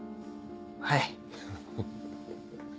はい。